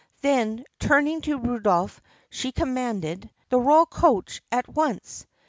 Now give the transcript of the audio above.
Then, turning to Rudolph she commanded, "The royal coach at once!"